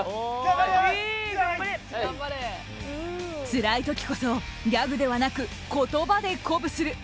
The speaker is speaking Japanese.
つらい時こそギャグではなく言葉で鼓舞する。